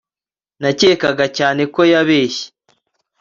Nakekaga cyane ko yabeshye